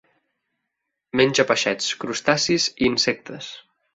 Menja peixets, crustacis i insectes.